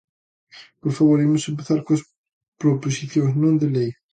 Por favor, imos empezar coas proposicións non de lei.